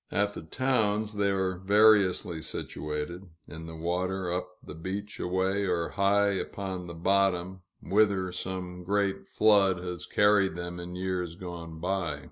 At the towns, they are variously situated: in the water, up the beach a way, or high upon the bottom, whither some great flood has carried them in years gone by.